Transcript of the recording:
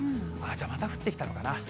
じゃあ、また降ってきたのかな。